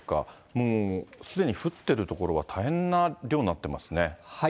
もうすでに降ってる所は、大変な量になってますね。